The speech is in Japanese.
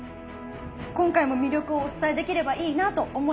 今回も魅力をお伝えできればいいなと思います。